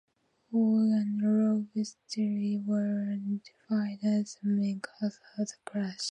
Fog and low visibility were identified as the main causes of the crash.